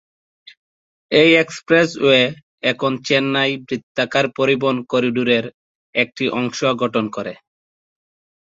এই এক্সপ্রেসওয়ে এখন চেন্নাই বৃত্তাকার পরিবহন করিডোরের একটি অংশ গঠন করে।